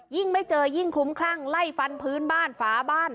ไม่เจอยิ่งคลุ้มคลั่งไล่ฟันพื้นบ้านฝาบ้าน